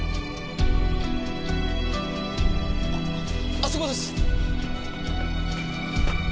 あそこです！